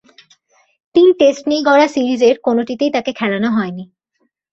তিন-টেস্ট নিয়ে গড়া সিরিজের কোনটিতেই তাকে খেলানো হয়নি।